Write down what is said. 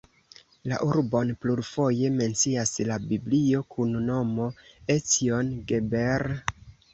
La urbon plurfoje mencias la Biblio kun nomo Ecjon-Geber.